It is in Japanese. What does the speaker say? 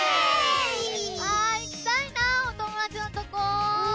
あいきたいなおともだちのとこ。